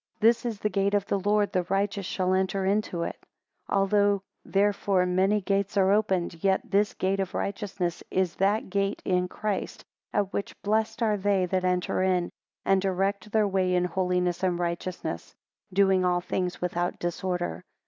This is the gate of the Lord, the righteous shall enter into it. 29 Although therefore many gates are opened, yet this gate of righteousness is that gate in Christ at which blessed are they that enter in, and direct their way in holiness and righteousness; doing all things without disorder.